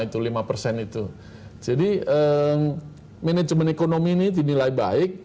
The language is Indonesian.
itu lima itu jadi management ekonomi ini dinilai baik